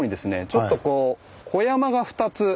ちょっとこう小山が２つ。